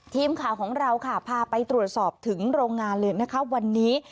ทีมข่าวของเราค่ะพาไปตรวจสอบถึงโรงงานเลยนะคะวันนี้